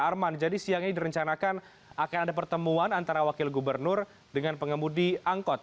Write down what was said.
arman jadi siang ini direncanakan akan ada pertemuan antara wakil gubernur dengan pengemudi angkot